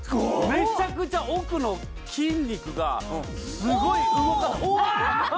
めちゃくちゃ奥の筋肉がすごい動おわお！